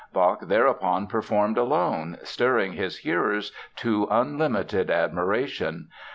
Bach thereupon performed alone, stirring his hearers to unlimited admiration.